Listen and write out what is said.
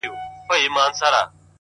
مثبت انسان د تیارو منځ کې رڼا ویني؛